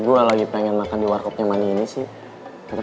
gue lagi pengen makan di wargonya manis sih